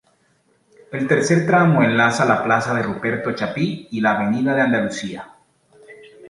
El tercer tramo enlaza la plaza de Ruperto Chapí y la avenida de Andalucía.